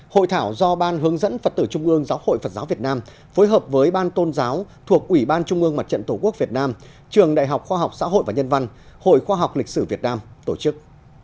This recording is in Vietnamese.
hội thảo do ban hướng dẫn phật tử trung ương giáo hội phật giáo việt nam phối hợp với ban tôn giáo thuộc ủy ban trung ương mặt trận tổ quốc việt nam trường đại học khoa học xã hội và nhân văn hội khoa học lịch sử việt nam tổ chức